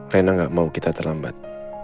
rena gak mau kita terlambat